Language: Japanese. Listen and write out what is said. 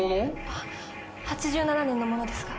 あ８７年のものですが。